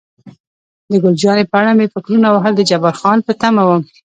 د ګل جانې په اړه مې فکرونه وهل، د جبار خان په تمه وم.